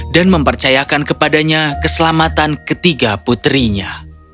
dan mempercayakan kepadanya keselamatan ketiga putrinya